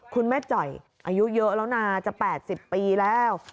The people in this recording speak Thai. คุณแม่จ่อยอายุเยอะแล้วนะจะ๘๐ปีแล้ว